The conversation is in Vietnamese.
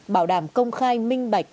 bảo đảm công khai minh bạch